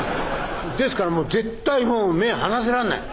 ですからもう絶対目離せられない。